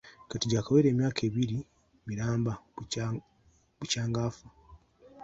Kati gy’akawera emyaka ebbiri miramba bukyanga afa.